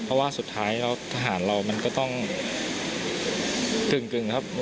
เพราะว่าสุดท้ายแล้วทหารเรามันก็ต้องกึ่งครับ